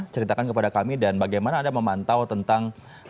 ceritakan kepada kami dan bagaimana anda memantau tentang